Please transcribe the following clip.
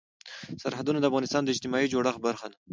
سرحدونه د افغانستان د اجتماعي جوړښت برخه ده.